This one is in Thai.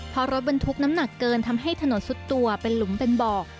เพราะรถบรรทุกน้ำหนักเกินทำให้ถนนซุดตัวเป็นหลุมเป็นบ่อ